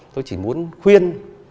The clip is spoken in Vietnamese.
tôi chỉ muốn khuyên